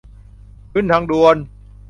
ขึ้นทางด่วน